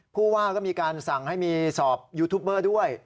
ผู้ว่าก็มีการสั่งให้มีสอบยูทูปเบอร์ด้วย